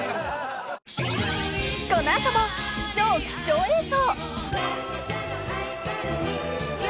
［この後も超貴重映像］